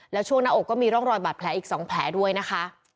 แล้วช่วงหน้าอกก็มีร่องรอยบาดแผลอีก๒แผลด้วยนะคะ